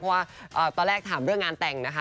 เพราะว่าตอนแรกถามเรื่องงานแต่งนะคะ